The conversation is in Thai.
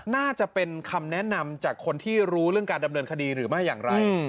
น่าจะเป็นคำแนะนำจากคนที่รู้เรื่องการดำเนินคดีหรือไม่อย่างไร